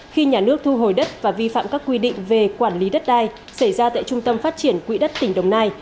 khi nhà nước thu hồi đất và vi phạm các quy định về quản lý đất đai xảy ra tại trung tâm phát triển quỹ đất tỉnh đồng nai